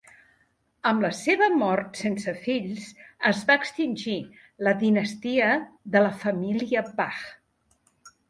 Amb la seva mort sense fills es va extingir la dinastia de la família Bach.